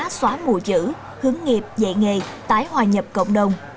được học văn hóa xóa mùa giữ hướng nghiệp dạy nghề tái hòa nhập cộng đồng